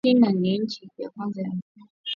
China ni inchi ya kwanza ku batu ba mingi